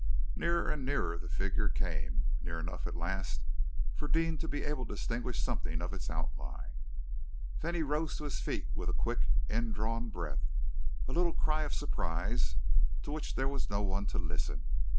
Nearer and nearer the figure came, near enough, at last, for Deane to be able to distinguish something of its outline. Then he rose to his feet with a quick indrawn breath a little cry of surprise to which there was no one to listen.